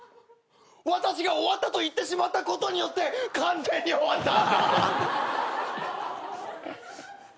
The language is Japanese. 私が「終わった」と言ってしまったことによって完全に終わった！